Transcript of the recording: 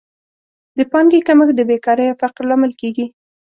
د پانګې کمښت د بېکارۍ او فقر لامل کیږي.